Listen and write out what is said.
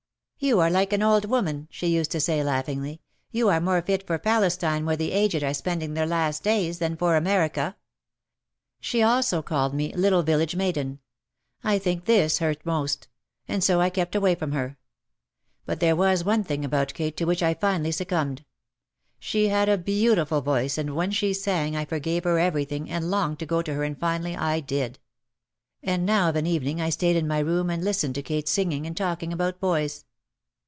"You are like an old woman/' she used to say laugh ingly. "You are more fit for Palestine where the aged are spending their last days, than for America." She also called me "little village maiden." I think this hurt most. And so I kept away from her. But there was one thing about Kate to which I finally succumbed. She had a beautiful voice and when she sang I forgave her everything and longed to go to her and finally I did. And now of an evening I stayed in my room and lis tened to Kate singing and talking about boys.